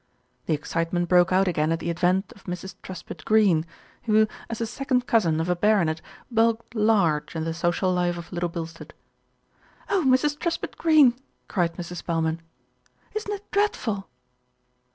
The excitement broke out again at the advent of Mrs. Truspitt Greene, who, as the second cousin of a baronet, bulked large in the social life of Little Bil stead. "Oh, Mrs. Truspitt Greene !" cried Mrs. Spelman. "Isn't it dreadful?"